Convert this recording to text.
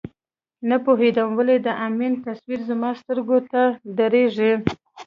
نه پوهېدم ولې د امین تصویر زما سترګو ته درېږي.